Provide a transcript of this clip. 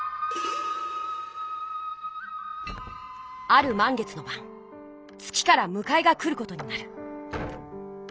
あるまん月のばん月からむかえが来ることになる。